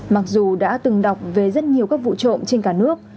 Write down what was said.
mặc dù đã từng đọc về rất nhiều các vụ trộm trên cả nước